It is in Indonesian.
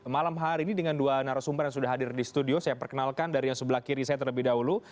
malam hari ini dengan dua narasumber yang sudah hadir di studio saya perkenalkan dari yang sebelah kiri saya terlebih dahulu